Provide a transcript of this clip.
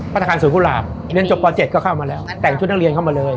ธนาคารศูนย์กุหลาบเรียนจบป๗ก็เข้ามาแล้วแต่งชุดนักเรียนเข้ามาเลย